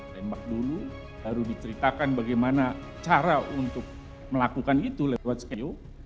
tembak dulu baru diceritakan bagaimana cara untuk melakukan itu lewat skeo